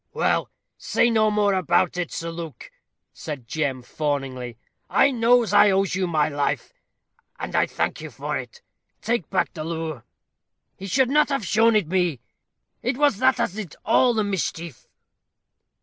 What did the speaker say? "Well, say no more about it, Sir Luke," said Jem, fawningly; "I knows I owes you my life, and I thank you for it. Take back the lowre. He should not have shown it me it was that as did all the mischief."